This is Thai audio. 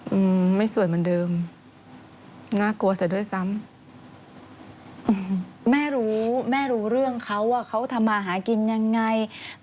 อืมไม่สวยเหมือนเดิมน่ากลัวซะด้วยซ้ำอืมแม่รู้แม่รู้เรื่องเขาว่าเขาทำมาหากินยังไง